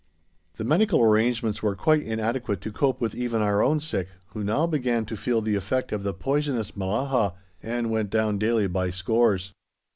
The medical arrangements were quite inadequate to cope even with our own sick, who now began to feel the effect of the poisonous Mellahah, and went down daily by scores.